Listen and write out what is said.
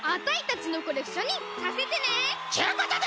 ちゅうことで。